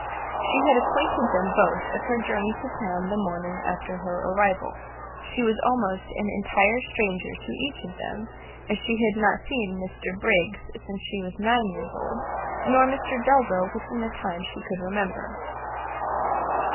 She had acquainted them both of her journey to town the morning after her arrival. She was almost an entire stranger to each of them, as she had not seen Mr Briggs since she was nine years old, nor Mr Delvile within the time she could remember.